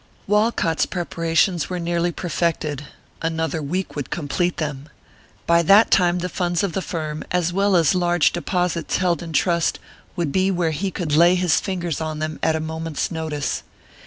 Walcott's preparations were nearly perfected; another week would complete them. By that time the funds of the firm as well as large deposits held in trust, would be where he could lay his fingers on them at a moment's notice.